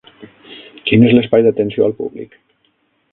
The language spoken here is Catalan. Quin és l'espai d'atenció al públic?